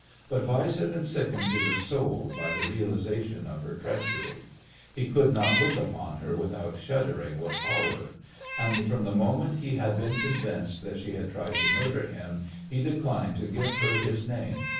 But Weiss had been sickened to the soul by the realization of her treachery. He could not look upon her without shuddering with horror, and from the moment he had been convinced that she had tried to murder him he declined to give her his name.